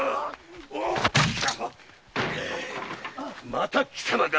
また貴様か。